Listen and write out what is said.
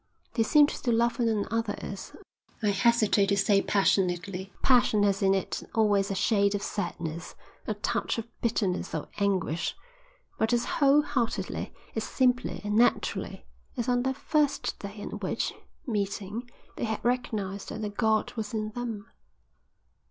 They seemed to love one another as I hesitate to say passionately, for passion has in it always a shade of sadness, a touch of bitterness or anguish, but as whole heartedly, as simply and naturally as on that first day on which, meeting, they had recognised that a god was in them."